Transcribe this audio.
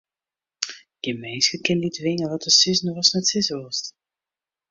Gjin minske kin dy twinge wat te sizzen watst net sizze wolst.